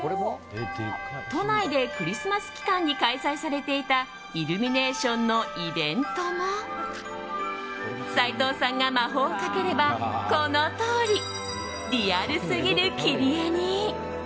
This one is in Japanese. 都内でクリスマス期間に開催されていたイルミネーションのイベントも斉藤さんが魔法をかければこのとおりリアルすぎる切り絵に。